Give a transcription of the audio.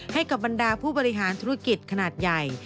ให้กับบรรดาผู้บริหารธุรกิจขนาดใหญ่